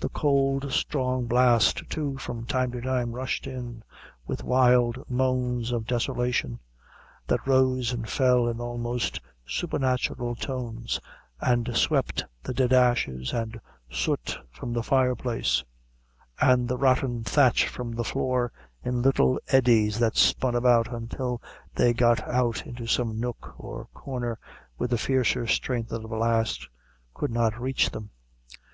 The cold, strong blast, too, from time to time, rushed in with wild moans of desolation, that rose and fell in almost supernatural tones, and swept the dead ashes and soot from the fireplace, and the rotten thatch from the floor, in little eddies that spun about until they had got into some nook or corner where the fiercer strength of the blast could not reach them.